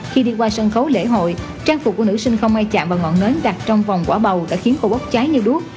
khi đi qua sân khấu lễ hội trang phục của nữ sinh không ai chạm vào ngọn nến đặt trong vòng quả bầu đã khiến cô bốc cháy như đuốc